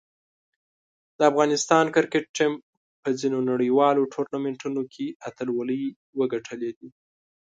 د افغانستان کرکټ ټیم په ځینو نړیوالو ټورنمنټونو کې اتلولۍ وګټلې دي.